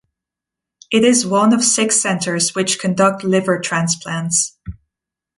It is one of six centres which conduct liver transplants.